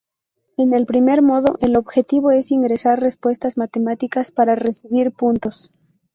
En el primer modo, el objetivo es ingresar respuestas matemáticas para recibir puntos.